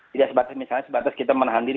tidak sebatas misalnya sebatas kita menahan diri